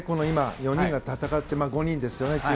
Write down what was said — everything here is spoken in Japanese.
今、４人が戦っていて５人ですよね。